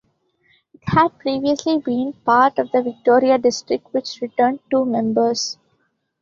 It had previously been part of the Victoria district which returned two members.